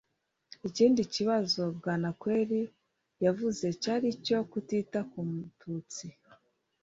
ikindi kibazo bwanakweri yavuze cyari icyo kutita ku mututsi